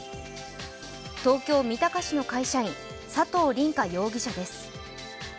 東京・三鷹市の会社員、佐藤凛果容疑者です。